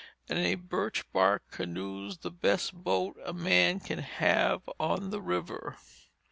And a birch bark canoe's the best boat a man can have on the river.